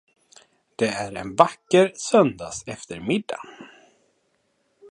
Det är en vacker söndagseftermiddag.